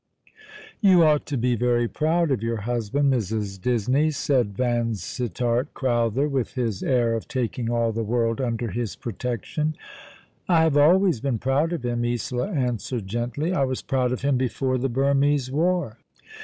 "You ought to be very proud of your husband, Mrs. Disney," said Vansittart Crowther, with his air of taking all the world under his protection. " 1 have always been proud of him," Isola answered gently. " 1 was proud of him before the Burmese War."